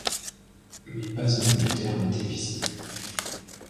Mais pas un bout de terre n’était visible